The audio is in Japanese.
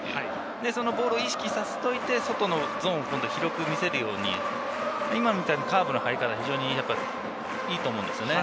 そのボールを意識させといて外のゾーンを広く見せるように、今みたいにカーブの入り方、非常にいいと思うんですよね。